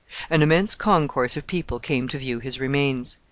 An immense concourse of people came to view his remains.